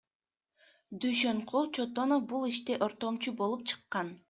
Дүйшөнкул Чотонов бул иште ортомчу болуп чыккан.